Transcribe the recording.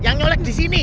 yang ngeolek di sini